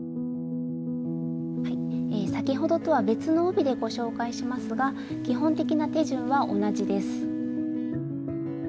先ほどとは別の帯でご紹介しますが基本的な手順は同じです。